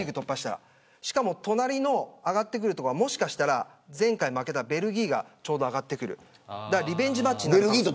しかも隣の上がってくるのがもしかしたら前回負けたベルギーがちょうど上がってきてリベンジマッチになります。